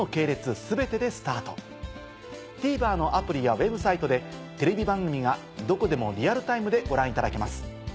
ＴＶｅｒのアプリやＷｅｂサイトでテレビ番組がどこでもリアルタイムでご覧いただけます。